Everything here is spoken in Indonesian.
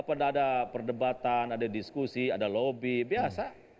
pada ada perdebatan ada diskusi ada lobby biasa